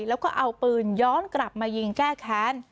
แล้วก็เอาปืนย้อนกลับมายิงแก้แค้น